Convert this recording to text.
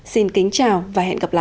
xin kính chào và hẹn gặp lại